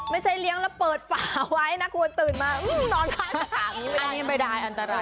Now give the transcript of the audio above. ไม่ใช่เลี้ยงระเปิดฝาไว้นะกลัวตื่นมานอนค่ะ